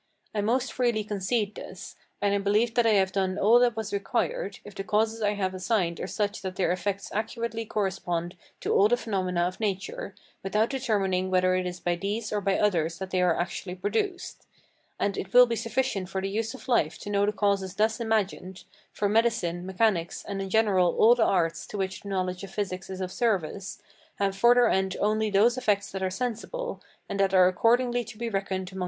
I most freely concede this; and I believe that I have done all that was required, if the causes I have assigned are such that their effects accurately correspond to all the phenomena of nature, without determining whether it is by these or by others that they are actually produced. And it will be sufficient for the use of life to know the causes thus imagined, for medicine, mechanics, and in general all the arts to which the knowledge of physics is of service, have for their end only those effects that are sensible, and that are accordingly to be reckoned among the phenomena of nature.